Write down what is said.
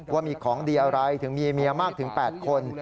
ว่ามีของดีอะไรถึงมีเมียมากถึง๘คน